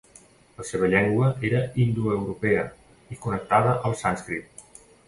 La seva llengua era indoeuropea i connectada al sànscrit.